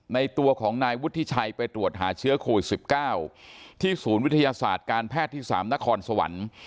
ตัวของนายวุฒิชัยไปตรวจหาเชื้อโควิด๑๙ที่ศูนย์วิทยาศาสตร์การแพทย์ที่๓นครสวรรค์